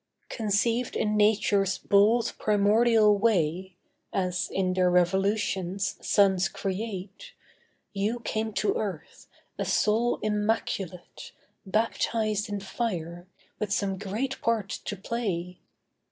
Conceived in nature's bold primordial way (As in their revolutions, suns create), You came to earth, a soul immaculate, Baptized in fire, with some great part to play.